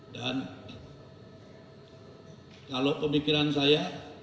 dan kalau pemikiran saya